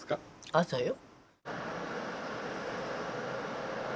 朝よ。